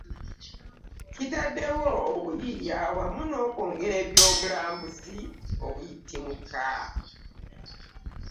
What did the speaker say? Kitaddewo obuyiiya wamu n'okwongera eby'obulambuzi okuyitimuka